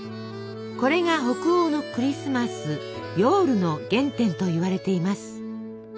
これが北欧のクリスマスヨウルの原点といわれています。